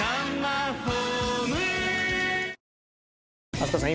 飛鳥さん